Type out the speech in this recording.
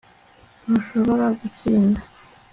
Ntushobora gutsinda